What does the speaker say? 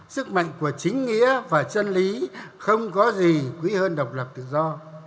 sức mạnh của chính nghĩa và chân lý không có gì quý hơn độc lập tự do